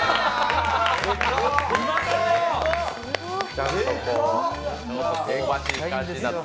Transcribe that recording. ちゃんと香ばしい感じになって。